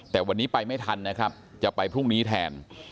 แต่วันนี้ไปไม่ทันนะครับจะไปพรุ่งนี้แทน